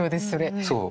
そう。